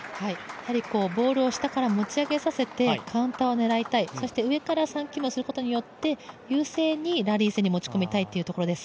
やはりボールを下から持ち上げさせてカウンターを狙いたい、そして上から３球目攻撃することによって優勢にラリー戦に持ち込みたいということです。